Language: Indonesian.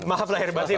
maaf lah ribatin